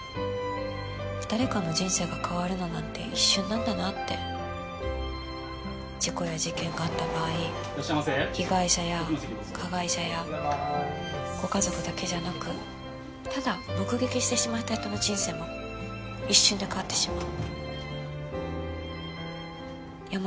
誰かの人生が変わるのなんて一瞬なんだなって事故や事件があった場合いらっしゃいませ被害者や加害者や奥の席へどうぞご家族だけじゃなくただ目撃してしまった人の人生も一瞬で変わってしまう山